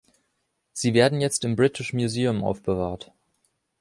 Sie werden jetzt im British Museum aufbewahrt.